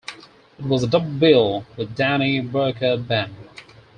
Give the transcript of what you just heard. It was a double bill with Danny Barker band.